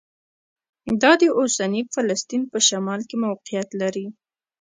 دا د اوسني فلسطین په شمال کې موقعیت لري.